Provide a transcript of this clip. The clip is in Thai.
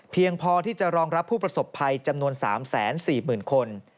พอที่จะรองรับผู้ประสบภัยจำนวน๓๔๐๐๐คน